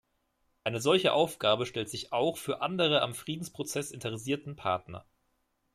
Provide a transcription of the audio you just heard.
Eine solche Aufgabe stellt sich auch für andere am Friedensprozess interessierten Partner.